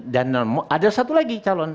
dan ada satu lagi calon